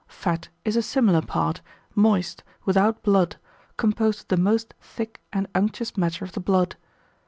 Fat is a similar part, moist, without blood, composed of the most thick and unctuous matter of the blood.